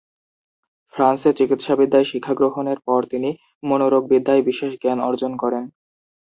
ফ্রান্সে চিকিৎসাবিদ্যায় শিক্ষা গ্রহণের পর তিনি মনোরোগবিদ্যায় বিশেষ জ্ঞান অর্জন করেন।